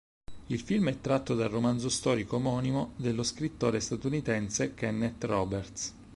Il film è tratto dal romanzo storico omonimo dello scrittore statunitense Kenneth Roberts.